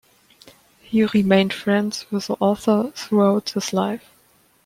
He remained friends with the author throughout his life.